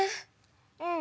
うん。